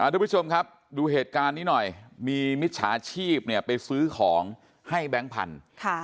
ทุกผู้ชมครับดูเหตุการณ์นี้หน่อยมีมิจฉาชีพไปซื้อของให้แบงค์พันธุ์